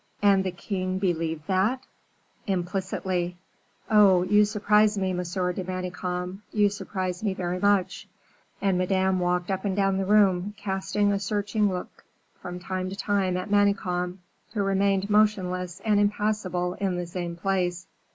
"And the king believed that?" "Implicitly." "Oh, you surprise me, Monsieur de Manicamp; you surprise me very much." And Madame walked up and down the room, casting a searching look from time to time at Manicamp, who remained motionless and impassible in the same place.